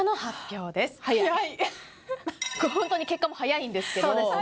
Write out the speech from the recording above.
これホントに結果も早いんですけど。